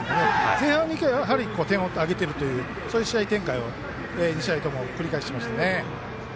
前半２回は点を挙げているというそういう試合展開を２試合とも繰り返しましたね。